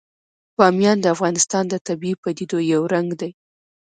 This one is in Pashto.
بامیان د افغانستان د طبیعي پدیدو یو رنګ دی.